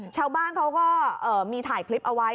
ชาวบ้านเขาก็มีถ่ายคลิปเอาไว้